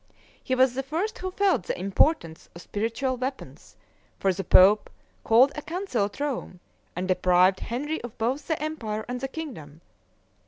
He was the first who felt the importance of spiritual weapons; for the pope called a council at Rome, and deprived Henry of both the empire and the kingdom.